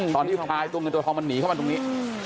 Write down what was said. พลายตัวเงินตัวทองมันหนีเข้ามาตรงนี้